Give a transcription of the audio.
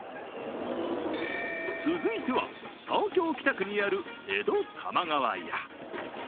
続いては、東京・北区にある江戸玉川屋。